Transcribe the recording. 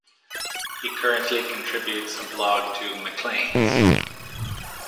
He currently contributes a blog to "Macleans".